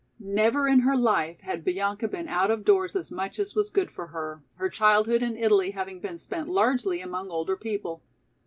Never in her life had Bianca been out of doors as much as was good for her, her childhood in Italy having been spent largely among older people.